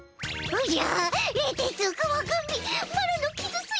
おじゃ！